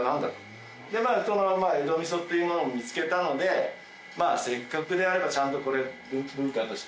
でまあ江戸味噌っていうものを見つけたのでせっかくであればちゃんとこれ文化として。